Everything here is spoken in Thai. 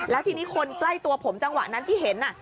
แล้วทีนี้คนใกล้ตัวผมจังหวะนั้นที่เห็น